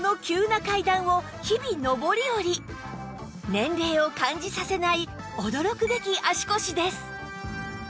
年齢を感じさせない驚くべき足腰です